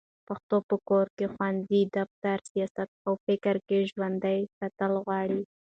پښتو په کور، ښوونځي، دفتر، سیاست او فکر کې ژوندي ساتل غواړي